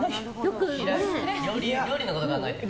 料理のこと考えてる。